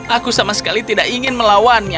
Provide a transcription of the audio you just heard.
aku sama sekali tidak ingin melawannya